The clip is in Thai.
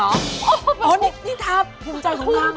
โอ๊ยนี่ทาภภูมิใจตรงกล้างเหรอ